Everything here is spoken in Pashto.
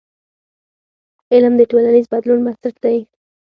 علم د ټولنیز بدلون بنسټ دی.